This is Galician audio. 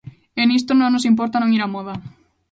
E nisto non nos importa non ir á moda.